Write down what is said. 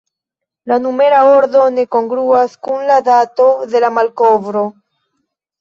La numera ordo ne kongruas kun la dato de la malkovro.